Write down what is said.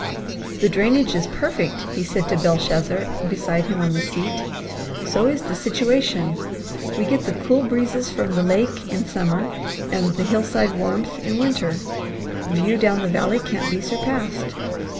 "The drainage is perfect," he said to Belshazzar beside him on the seat. "So is the situation. We get the cool breezes from the lake in summer and the hillside warmth in winter. View down the valley can't be surpassed.